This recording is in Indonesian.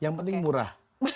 tapi yang murah